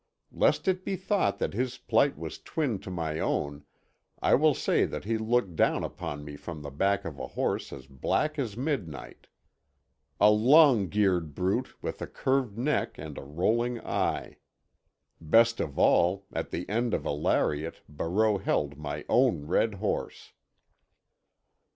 Lest it be thought that his plight was twin to my own, I will say that he looked down upon me from the back of a horse as black as midnight, a long geared brute with a curved neck and a rolling eye. Best of all, at the end of a lariat Barreau held my own red horse.